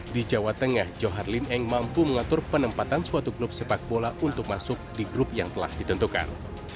di jawa tengah johar lim eng mampu mengatur penempatan suatu klub sepak bola untuk masuk di grup yang telah ditentukan